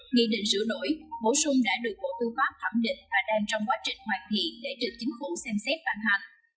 nghị định sửa đổi bổ sung đã được bộ tư pháp thẩm định và đang trong quá trình hoàn thiện để được chính phủ xem xét ban hành